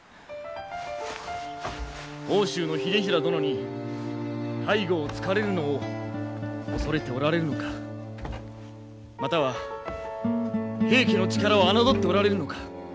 奥州の秀衡殿に背後をつかれるのを恐れておられるのかまたは平家の力を侮っておられるのか。